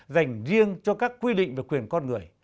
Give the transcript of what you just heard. dành riêng cho các quy định về quyền con người